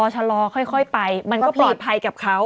ชะลอค่อยไปมันก็ปลอดภัยกับเขา